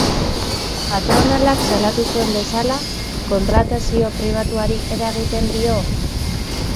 Patronalak salatu zuen bezala, kontratazio pribatuari eragiten dio?